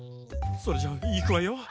それじゃいくわよ。